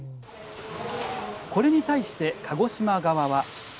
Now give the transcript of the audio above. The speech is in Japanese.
これに対して鹿児島側は。